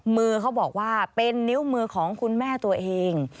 มือเขาบอกว่าเป็นนิ้วมือของคุณแม่ตัวเอง